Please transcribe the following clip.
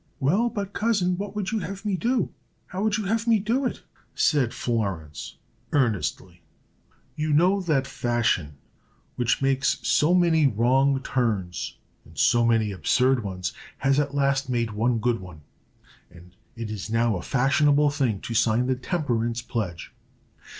"Well, but, cousin, what would you have me do? How would you have me do it?" said Florence, earnestly. "You know that Fashion, which makes so many wrong turns, and so many absurd ones, has at last made one good one, and it is now a fashionable thing to sign the temperance pledge.